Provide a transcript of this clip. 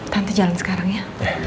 tante jalan sekarang ya